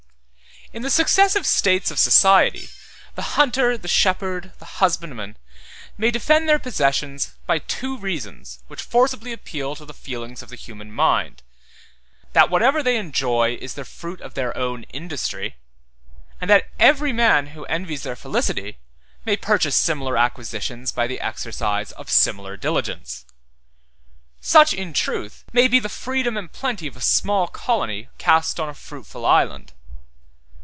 In the successive states of society, the hunter, the shepherd, the husbandman, may defend their possessions by two reasons which forcibly appeal to the feelings of the human mind: that whatever they enjoy is the fruit of their own industry; and that every man who envies their felicity, may purchase similar acquisitions by the exercise of similar diligence. Such, in truth, may be the freedom and plenty of a small colony cast on a fruitful island.